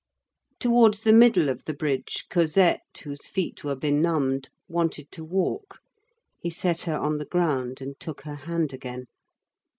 Towards the middle of the Bridge, Cosette, whose feet were benumbed, wanted to walk. He set her on the ground and took her hand again.